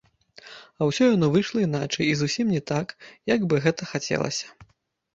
А ўсё яно выйшла іначай і зусім не так, як бы гэта хацелася.